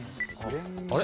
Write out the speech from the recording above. あれ？